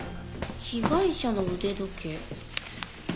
被害者の腕時計。